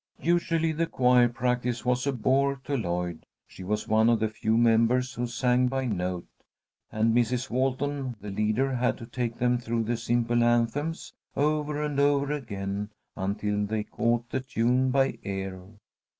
Usually the choir practice was a bore to Lloyd. She was one of the few members who sang by note, and Mrs. Walton, the leader, had to take them through the simple anthems over and over again, until they caught the tune by ear.